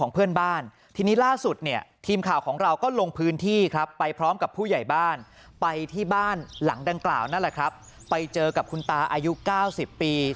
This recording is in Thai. ไปที่บ้านหลังดังกล่าวนั่นแหละครับไปเจอกับคุณตาอายุ๙๐ปี